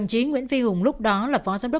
chết chết nói là bộ này